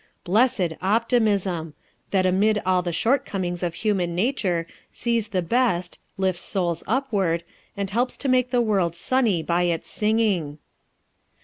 _ Blessed optimism! that amid all the shortcomings of human nature sees the best, lifts souls upward, and helps to make the world sunny by its singing.